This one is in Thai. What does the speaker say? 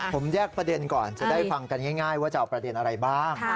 ผมแยกประเด็นก่อนจะได้ฟังกันง่ายว่าจะเอาประเด็นอะไรบ้าง